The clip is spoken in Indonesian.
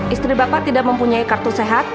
istri bapak tidak mempunyai kartu sehat